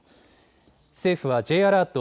政府はＪアラート